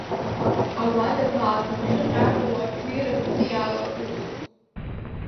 Ауадабаа зыбӷьы ҟьаҟьоу аҳәиратә ҵиаа лопух.